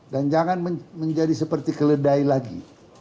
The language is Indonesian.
dan jangan menjadi seperti keledai lagi